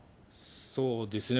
そうですよね。